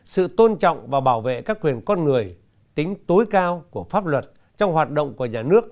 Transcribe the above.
sự tôn trọng và bảo vệ các quyền con người tính tối cao của pháp luật trong hoạt động của nhà nước